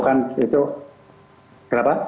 itu kan itu kenapa